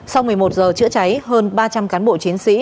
sau một mươi một giờ chữa cháy hơn ba trăm linh cán bộ chiến sĩ